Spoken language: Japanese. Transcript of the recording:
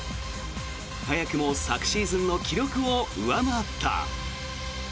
早くも昨シーズンの記録を上回った。